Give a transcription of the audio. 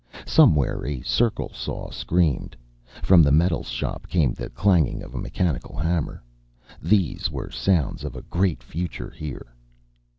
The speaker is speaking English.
Somewhere a circle saw screamed. From the metals shop came the clanging of a mechanical hammer. These were sounds of a great future here.